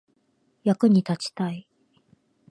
役に立ちたい